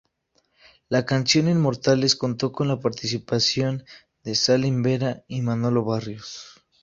La canción Inmortales contó con la participación de Salim Vera y Manolo Barrios.